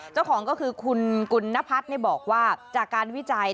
เจ้าของก็คือคุณกุณนพัฒน์บอกว่าจากการวิจัย